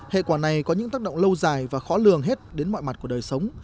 hệ quả này có những tác động lâu dài và khó lường hết đến mọi mặt của đời sống